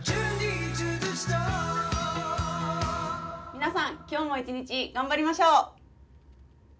皆さん、今日も一日頑張りましょう。